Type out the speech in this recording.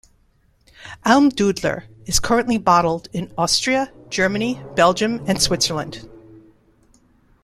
Almdudler is currently bottled in Austria, Germany, Belgium, and Switzerland.